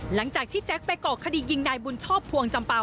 หลังจากที่แจ๊คไปก่อคดียิงนายบุญชอบภวงจำเป่า